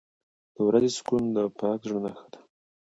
• د ورځې سکون د پاک زړه نښه ده.